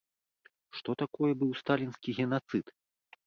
Што такое быў сталінскі генацыд?